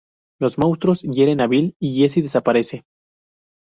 Los monstruos hieren a Bill y Jessie desaparece.